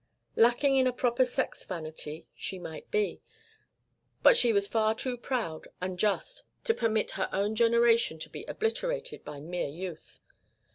Lacking in a proper sex vanity she might be, but she was far too proud and just to permit her own generation to be obliterated by mere youth.